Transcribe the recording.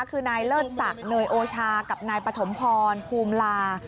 คือนายเลิศศักดิ์เนยโอชากับนายปฐมพรภูมิลา